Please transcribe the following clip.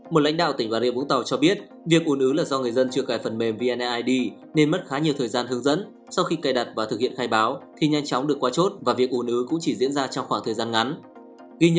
một lãnh đạo tỉnh bà rịa vũng tàu cho biết việc ủ nứ là do người dân chưa cài phần mềm vneid nên mất khá nhiều thời gian hướng dẫn sau khi cài đặt và thực hiện khai báo thì nhanh chóng được qua chốt và việc ồ cũng chỉ diễn ra trong khoảng thời gian ngắn